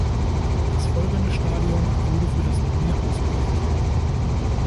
Das folgende Stadion wurde für das Turnier ausgewählt.